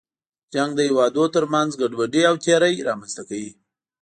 جنګ د هېوادونو تر منځ ګډوډي او تېرې رامنځته کوي.